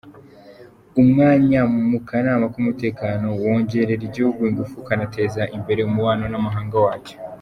Umwanya mu Kanama k’Umutekano wongerera igihugu ingufu ukanateza imbere umubano n’amahanga wacyo.